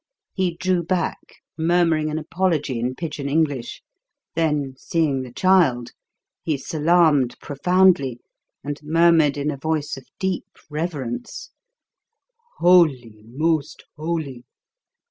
He drew back, murmuring an apology in pidgin English, then, seeing the child, he salaamed profoundly and murmured in a voice of deep reverence, "Holy, most holy!"